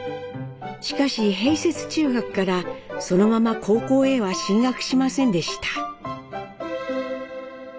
しかし併設中学からそのまま高校へは進学しませんでした。